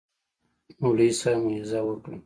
مولوي صاحب موعظه وکړه.